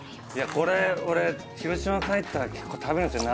これ俺広島帰ったら結構食べるんすよね